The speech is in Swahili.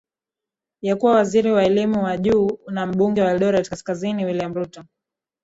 yekuwa waziri wa elimu ya juu na mbunge wa eldoret kaskazini william ruto